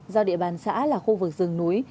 giao địa bàn xã là khu vực rừng núi